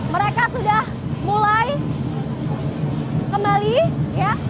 mereka sudah mulai kembali ya